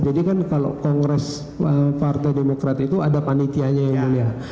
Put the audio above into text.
jadi kan kalau kongres partai demokrat itu ada panitianya yang mulia